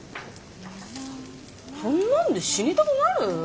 そんなんで死にたくなる？